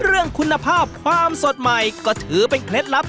เรื่องคุณภาพความสดใหม่ก็ถือเป็นเคล็ดลับ